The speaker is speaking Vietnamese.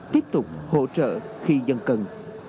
tiếp tục hỗ trợ khi dân cần